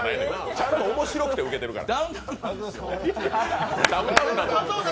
ちゃんと面白くてウケてるから。